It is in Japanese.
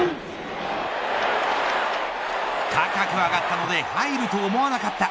高く上がったので入ると思わなかった。